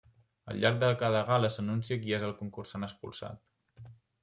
Al llarg de cada gala s'anuncia qui és el concursant expulsat.